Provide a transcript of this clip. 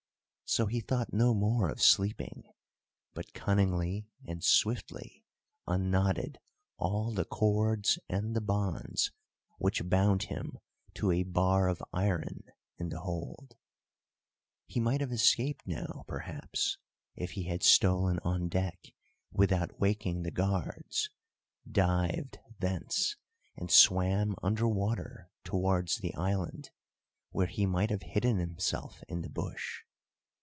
So he thought no more of sleeping, but cunningly and swiftly unknotted all the cords and the bonds which bound him to a bar of iron in the hold. He might have escaped now, perhaps, if he had stolen on deck without waking the guards, dived thence and swam under water towards the island, where he might have hidden himself in the bush.